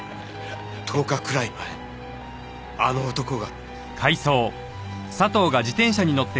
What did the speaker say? １０日くらい前あの男が。